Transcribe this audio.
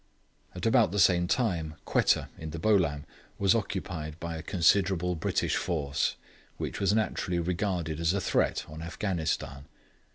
At about the same time, Quetta, in the Bolam, was occupied by a considerable British force, which was naturally regarded as a threat on Afghanistan.